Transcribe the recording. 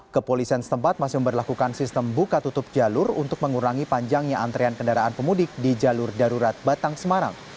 kepolisian setempat masih memperlakukan sistem buka tutup jalur untuk mengurangi panjangnya antrean kendaraan pemudik di jalur darurat batang semarang